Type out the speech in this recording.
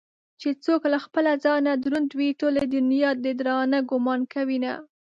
چې څوك له خپله ځانه دروند وي ټولې دنياته ددراندۀ ګومان كوينه